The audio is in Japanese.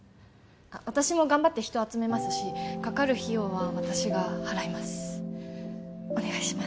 私も頑張って人集めますしかかる費用は私が払いますお願いします